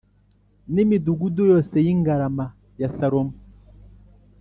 n’imidugudu yose y’ingarama ya Salomo